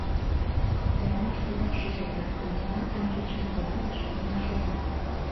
Ӱдырамаш тидым шиже дыр: лейтенантын кидшым кораҥдыш, кынел шогале.